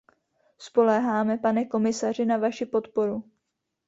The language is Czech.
Spoléháme, pane komisaři, na vaši podporu.